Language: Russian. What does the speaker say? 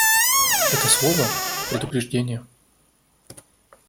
Это слово — «предупреждение».